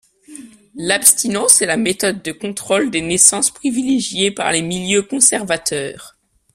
L'abstinence est la méthode de contrôle des naissances privilégiée par les milieux conservateurs.